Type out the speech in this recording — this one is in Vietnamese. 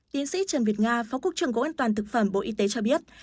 tiến sĩ trần việt nga phó quốc trưởng công an toàn thực phẩm bộ y tế cho biết